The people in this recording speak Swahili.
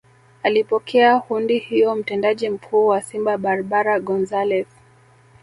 Akipokea hundi hiyo Mtendaji Mkuu wa Simba Barbara Gonzalez